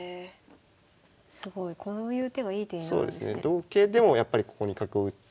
同桂でもやっぱりここに角を打って。